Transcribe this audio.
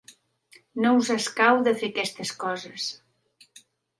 No us escau de fer aquestes coses.